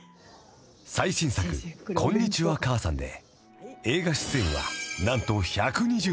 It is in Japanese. ［最新作『こんにちは、母さん』で］